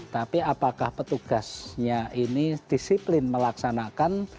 tapi apakah petugasnya ini disiplin melaksanakan